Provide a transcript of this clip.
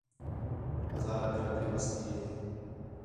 ہزارہ برادری وسدی ہِے